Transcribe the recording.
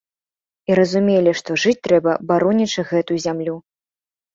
І разумелі, што жыць трэба, баронячы гэту зямлю.